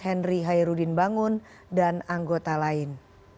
henry hairudin bangun dan anggota lain